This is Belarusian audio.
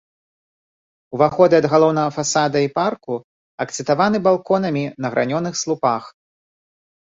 Уваходы ад галоўнага фасада і парку акцэнтаваны балконамі на гранёных слупах.